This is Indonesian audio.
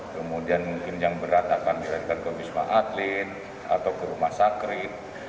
kemudian mungkin yang berat akan dilatihkan ke bisma atlet atau ke rumah sakrit